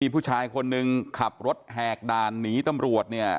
ผู้ชายคนหนึ่งขับรถแหกด่านหนีตำรวจเนี่ย